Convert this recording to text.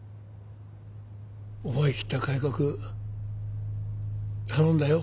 思い切った改革頼んだよ。